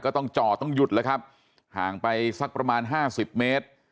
ต้องจ่อต้องหยุดแล้วครับห่างไปสักประมาณห้าสิบเมตร